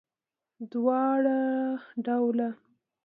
دواړه ډوله